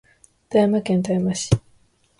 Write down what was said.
富山県富山市